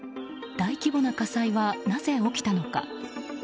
大規模な火災はなぜ起きたのか。